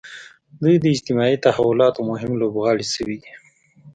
دوی د اجتماعي تحولاتو مهم لوبغاړي شوي دي.